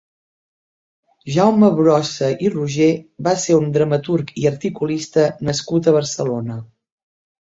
Jaume Brossa i Roger va ser un dramaturg i articulista nascut a Barcelona.